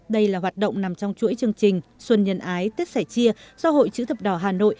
đây là hoạt động nằm trong chuỗi chương trình xuân nhân ái tết sẻ chia do hội chữ thập đỏ hà nội